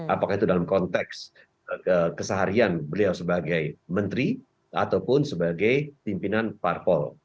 apakah itu dalam konteks keseharian beliau sebagai menteri ataupun sebagai pimpinan parpol